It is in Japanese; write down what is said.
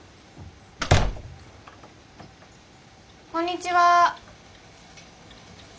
こんにちは。